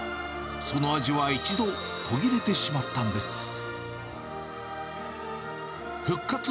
その味は一度途切れてしまったんです。